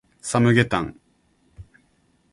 サムゲタン